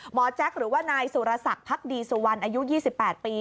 แจ็คหรือว่านายสุรศักดิ์พักดีสุวรรณอายุ๒๘ปี